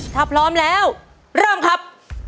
ถ้าพร้อมแล้วเริ่มครับ